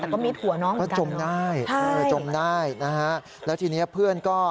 แต่ก็มีถั่วน้องเหมือนกันเนอะใช่จมได้จมได้นะฮะแล้วทีนี้เพื่อนก็